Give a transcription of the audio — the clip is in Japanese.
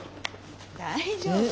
大丈夫？